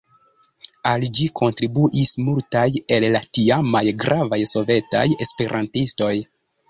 Al ĝi kontribuis multaj el la tiamaj gravaj sovetaj esperantistoj.